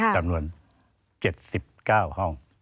จำนวน๗๙ห้อง